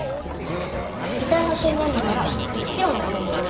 遺体発見現場から１キロの地点です。